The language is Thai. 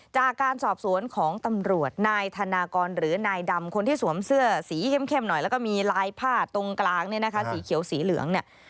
จากการสอบสวนของตำรวจนายธนากรหรือนายดำคนที่สวมเสื้อสีเข้มหน่อยแล้วก็มีลายผ้าตรงกลางเนี่ยนะคะสีเขียวสีเหลืองเนี่ย